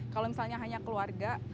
kalau misalnya hanya keluarga